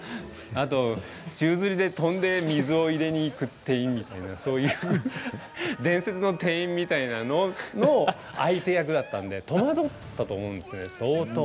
あと、宙づりで飛んで水を入れにいくっていう伝説の店員みたいなのの相手役だったんで戸惑ったと思うんですね、相当。